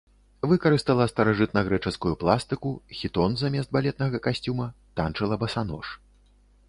Выкарыстала старажытнагрэчаскую пластыку, хітон замест балетнага касцюма, танчыла басанож.